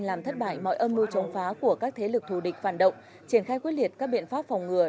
làm thất bại mọi âm mưu chống phá của các thế lực thù địch phản động triển khai quyết liệt các biện pháp phòng ngừa